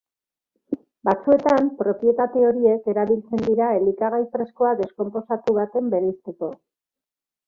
Batzuetan, propietate horiek erabiltzen dira elikagai freskoa deskonposatu baten bereizteko.